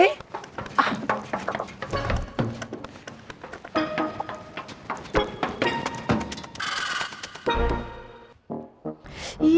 tapi dia tidak ada juga ya